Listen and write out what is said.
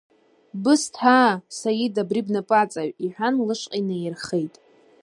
Бысҭ, аа, Саида, абри бнапы аҵаҩ, — иҳәан, лышҟа инеирххеит.